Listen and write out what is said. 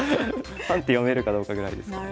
３手読めるかどうかぐらいですかね。